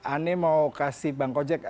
aneh mau kasih bang gojek